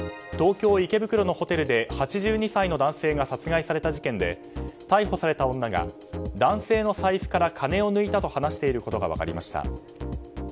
東京・池袋のホテルで８２歳の男性が殺害された事件で逮捕された女が、男性の財布から金を抜いたと話していることが分かりました。